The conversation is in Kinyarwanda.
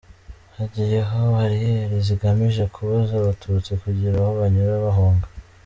Hagiyeho bariyeri zigamije kubuza Abatutsi kugira aho banyura bahunga.